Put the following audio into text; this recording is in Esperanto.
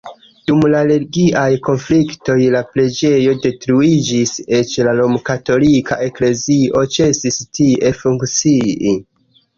Dum la religiaj konfliktoj la preĝejo detruiĝis, eĉ la romkatolika eklezio ĉesis tie funkcii.